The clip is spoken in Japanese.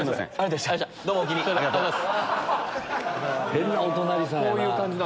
変なお隣さんやな。